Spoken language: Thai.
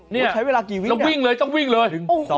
นี่เราวิ่งเลยต้องวิ่งเลย